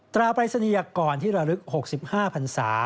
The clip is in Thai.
ปรายศนียกรที่ระลึก๖๕พันศา